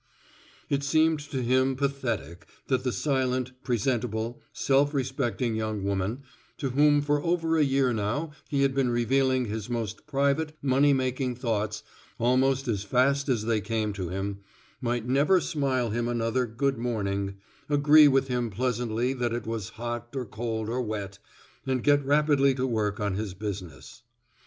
It seemed to him pathetic that the silent, presentable, self respecting young woman, to whom for over a year now he had been revealing his most private, money making thoughts almost as fast as they came to him, might never smile him another "good morning," agree with him pleasantly that it was hot or cold or wet, and get rapidly to work on his business.